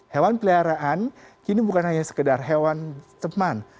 hewan peliharaan kini bukan hanya sekedar hewan teman